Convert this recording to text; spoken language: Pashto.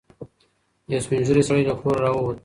یو سپین ږیری سړی له کوره راووت.